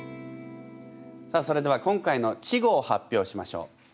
さあそれでは今回の稚語を発表しましょう。